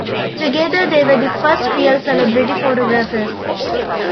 Together, they were the first real celebrity photographers.